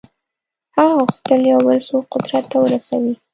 هغه غوښتل یو بل څوک قدرت ته ورسوي.